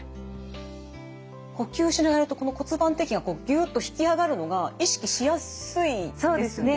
呼吸しながらやるとこの骨盤底筋がこうギュッと引き上がるのが意識しやすいですね。